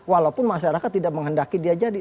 walaupun masyarakat tidak menghendaki dia jadi